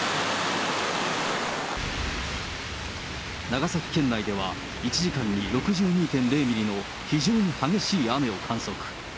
長崎県内では、１時間に６２．０ミリの非常に激しい雨を観測。